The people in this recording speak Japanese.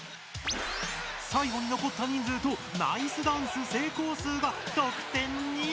最後に残った人数とナイスダンス成功数が得点に！